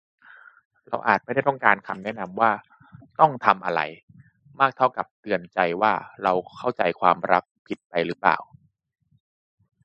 เราอาจไม่ได้ต้องการคำแนะนำว่าต้อง 'ทำ' อะไร มากเท่ากับเตือนใจว่า เราเข้าใจความรักผิดไปหรือเปล่า